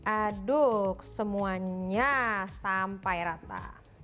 aduk semuanya sampai rata